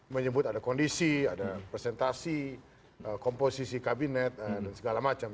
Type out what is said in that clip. menyebut ada kondisi ada presentasi komposisi kabinet dan segala macam